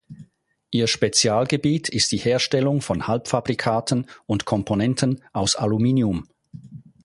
Ihr Spezialgebiet ist die Herstellung von Halbfabrikaten und Komponenten aus Aluminium.